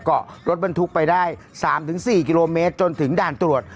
เกาะรถบรรทุกไปได้๓๔กิโลเมตรจนถึงด่านตรวจ